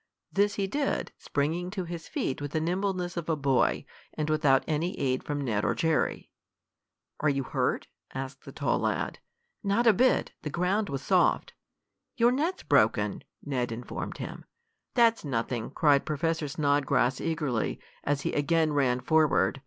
This he did, springing to his feet with the nimbleness of a boy, and without any aid from Ned or Jerry. "Are you hurt?" asked the tall lad. "Not a bit. The ground was soft." "Your net's broken," Ned informed him. "That's nothing!" cried Professor Snodgrass eagerly, as he again ran forward.